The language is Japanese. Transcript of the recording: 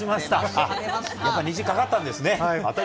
やっぱ虹かかったんですね。